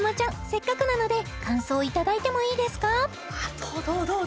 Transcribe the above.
せっかくなので感想いただいてもいいですかどう？